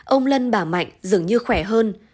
ông lân bảo mạnh dường như khỏe hơn